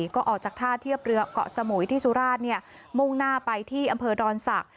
ก็ออกจากท่าเทียบเรือเกาะสมุยที่สุราชมุ่งหน้าไปที่อำเภอดอนศักดิ